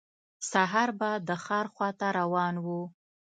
سهار به د ښار خواته روان و.